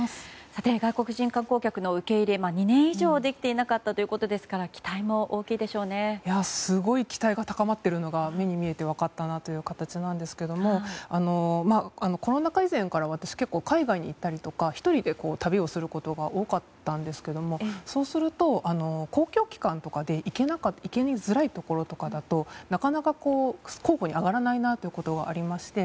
外国人観光客の受け入れ２年以上できていなかったということですからすごい期待が高まっているのが目に見えて分かった形なんですけどコロナ禍以前から私、結構海外に行ったりとか１人で旅をすることが多かったんですけどそうすると公共機関とかで行きづらいところとかだとなかなか候補に挙がらないなということがありまして。